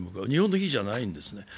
日本の比じゃないんです。